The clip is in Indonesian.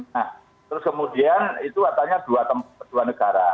nah terus kemudian itu katanya dua negara